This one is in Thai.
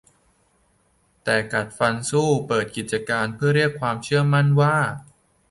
แต่กัดฟันสู้เปิดกิจการเพื่อเรียกความเชื่อมั่นว่า